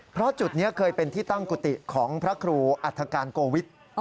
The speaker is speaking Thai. เพราะจุดนี้เคยเป็นที่ตั้งกุฏิของพระครูอัฐการโกวิทย์